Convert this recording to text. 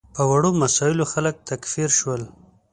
په وړو مسایلو خلک تکفیر شول.